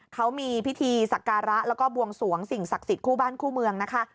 เขามีพิธีสักการะแล้วก็บวงสวงสิ่งศักดิ์สิทธิคู่บ้านคู่เมืองนะคะ